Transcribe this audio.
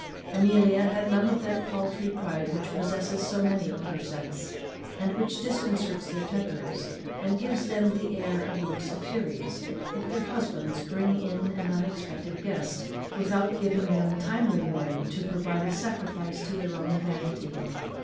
Amelia had none of that paultry pride which possesses so many of her sex, and which disconcerts their tempers, and gives them the air and looks of furies, if their husbands bring in an unexpected guest, without giving them timely warning to provide a sacrifice to their own vanity.